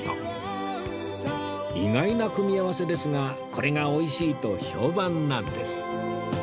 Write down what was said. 意外な組み合わせですがこれがおいしいと評判なんです